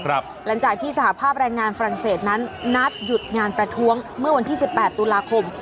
หลังจากที่สหภาพแรงงานฝรั่งเศสนั้นนัดหยุดงานประท้วงเมื่อวันที่๑๘ตุลาคม